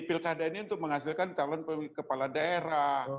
pirkada ini untuk menghasilkan talon kepala daerah